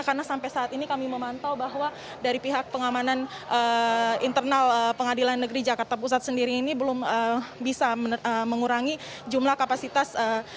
karena sampai saat ini kami memantau bahwa dari pihak pengamanan internal pengadilan negeri jakarta pusat sendiri ini belum bisa mengurangi jumlah kapasitas